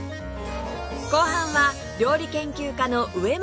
後半は料理研究家の植松良枝さん